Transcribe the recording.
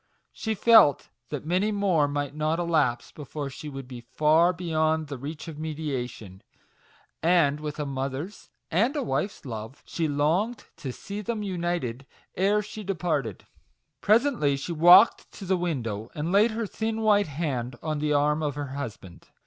She felt that many more might not elapse before she would be far beyond the reach of mediation, and with a mo ther's and a wife's love she longed to see them united again ere she departed. Presently she walked to the window, and laid her thin white hand on the arm of her husband.